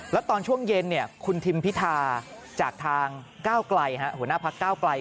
แล้วตอนช่วงเย็นคุณทิมพิธาจากทางก้าวไกลหัวหน้าพักก้าวไกล